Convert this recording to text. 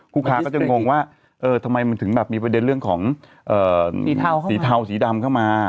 คู่ค้าก็จะงงว่าเออทำไมมันถึงแบบมีประเด็นเรื่องของเอ่อสีเทาเข้ามาสีเทาสีดำเข้ามา